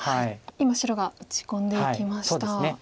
今白が打ち込んでいきました。